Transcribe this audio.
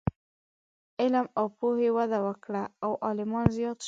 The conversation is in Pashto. علم او پوهنې وده وکړه او عالمان زیات شول.